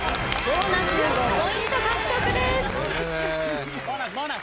ボーナス５ポイント獲得です。